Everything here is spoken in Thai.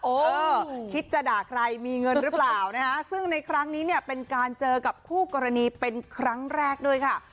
เออคิดจะด่าใครมีเงินหรือเปล่านะคะซึ่งในครั้งนี้เนี่ยเป็นการเจอกับคู่กรณีเป็นครั้งแรกด้วยค่ะ